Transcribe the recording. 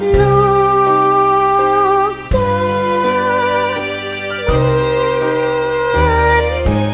ลูกจะเหมือน